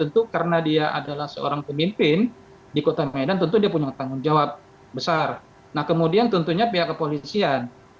tentu karena dia adalah seorang pemimpin di kota medan tentu dia punya tanggung jawab besar nah kemudian tentunya pihak kepolisian